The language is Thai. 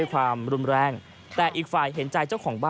ออภูมิก็ได้นะครับ